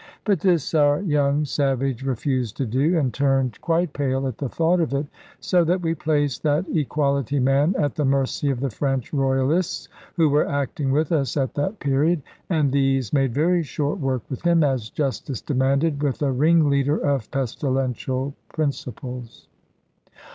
But this our young savage refused to do, and turned quite pale at the thought of it, so that we placed that Equality man at the mercy of the French Royalists, who were acting with us at that period: and these made very short work with him, as justice demanded with a ringleader of pestilential principles.